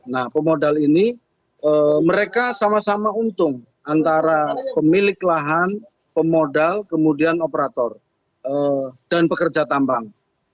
nah pemodal ini mereka sama sama untung antara pemilik lahan pemodal kemudian operator dan pekerja tambang